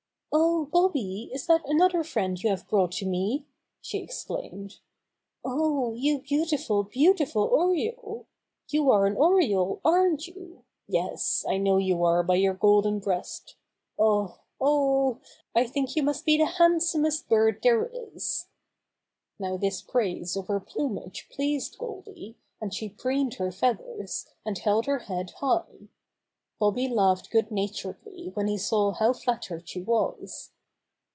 "Oh, Bobby, is that another friend you have brought to me?" she exclaimed. "Oh, you beautiful, beautiful Oriole. You are an Oriole aren't you? Yes, I know you are by your golden breast. Oh! oh! I think you must be the handsomest bird there is!" Now this praise of her plumage pleased Goldy, and she preened her feathers, and held her head high. Bobby laughed good natur edly when he saw how flattered she was.